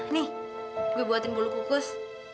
nih aku buatkan bulu kukus